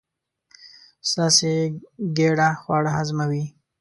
ستاسې ګېډه خواړه هضموي.